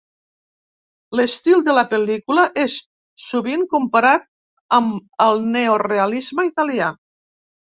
L'estil de la pel·lícula és sovint comparat amb el neorealisme italià.